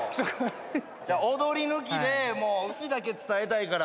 踊り抜きで意思だけ伝えたいから。